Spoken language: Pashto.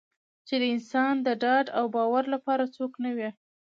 چې د انسان د ډاډ او باور لپاره څوک نه وي.